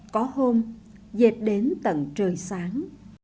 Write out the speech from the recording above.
có hôm dệt đến tận trời sáng